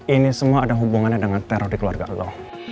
ini semua ada hubungannya dengan teror di keluarga allah